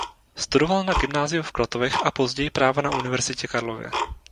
Studoval na gymnáziu v Klatovech a později práva na Univerzitě Karlově.